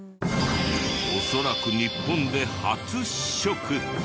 恐らく日本で初試食。